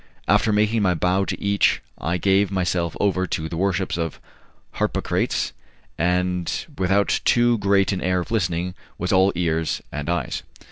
After making my bow to each, I gave myself over to the worship of Harpocrates, and without too great an air of listening was all ears and eyes.